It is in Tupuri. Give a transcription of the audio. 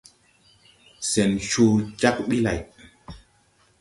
Sɛn coo jag ɓi lay.